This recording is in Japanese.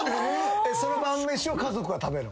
その晩飯を家族は食べる？